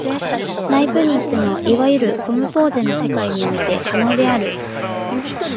ライプニッツのいわゆるコムポーゼの世界において可能である。